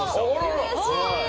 うれしい！